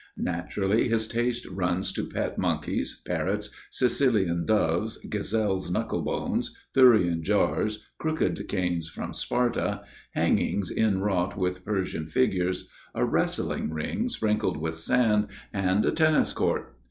Naturally, his taste runs to pet monkeys, parrots, Sicilian doves, gazelles' knuckle bones, Thurian jars, crooked canes from Sparta, hangings inwrought with Persian figures, a wrestling ring sprinkled with sand, and a tennis court.